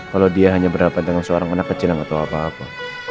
kalau dia hanya berantem sama seorang anak kecil dia gak tahu apa apa